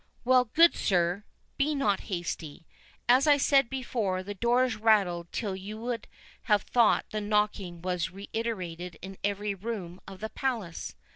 "Well, good sir, be not hasty. As I said before, the doors rattled till you would have thought the knocking was reiterated in every room of the Palace.